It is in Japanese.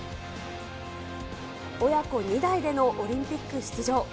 親子２代でのオリンピック出場。